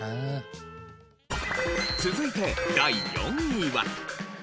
続いて第４位は。